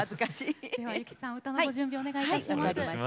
では由紀さん歌のご準備お願いいたします。